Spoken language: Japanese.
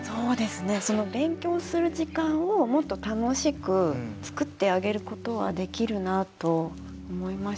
その勉強する時間をもっと楽しくつくってあげることはできるなと思いました。